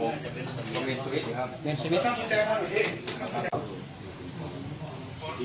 กล้องไม่ได้ครับ